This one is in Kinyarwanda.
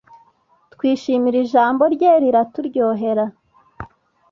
Twishimira Ijambo rye riraturyohera